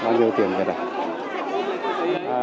bao nhiêu tiền việt ạ